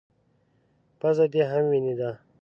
_پزه دې هم وينې ده.